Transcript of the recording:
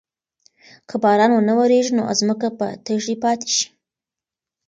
که باران ونه وریږي نو ځمکه به تږې پاتې شي.